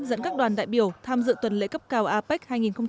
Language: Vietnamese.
dẫn các đoàn đại biểu tham dự tuần lễ cấp cao apec hai nghìn một mươi bảy